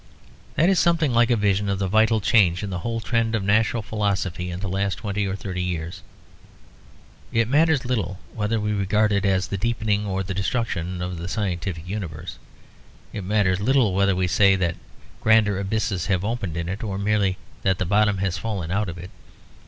That is something like a vision of the vital change in the whole trend of natural philosophy in the last twenty or thirty years. It matters little whether we regard it as the deepening or the destruction of the scientific universe. It matters little whether we say that grander abysses have opened in it, or merely that the bottom has fallen out of it.